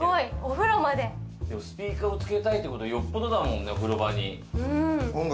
スピーカーをつけたいというのはよっぽどだもんね、お風呂場に。